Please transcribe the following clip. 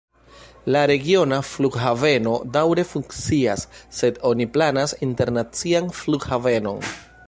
La regiona flughaveno daŭre funkcias, sed oni planas internacian flughavenon.